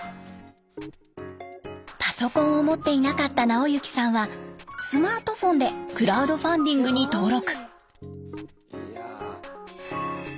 パソコンを持っていなかった直行さんはスマートフォンでクラウドファンディングに登録。